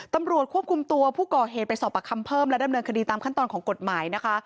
ตำรวจควบคุมตัวผู้ก่อเหตุไปสอบประคำเพิ่มและดำเนินคดีตามขั้นตอนของกฎหมายนะคะ